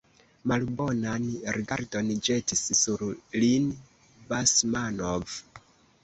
Malbonan rigardon ĵetis sur lin Basmanov.